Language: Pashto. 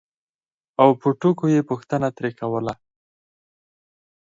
او په ټوکو یې پوښتنه ترې کوله